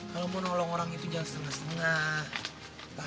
kalo mau nolong orang itu jangan setengah setengah